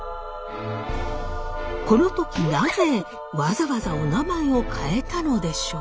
この時なぜわざわざおなまえを変えたのでしょう？